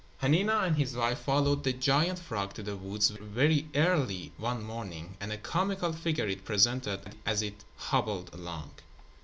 Hanina and his wife followed the giant frog to the woods very early one morning, and a comical figure it presented as it hobbled along.